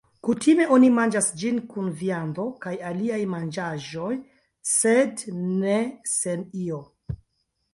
Kutime oni manĝas ĝin, kun viando kaj aliaj manĝaĵoj, sed ne sen io.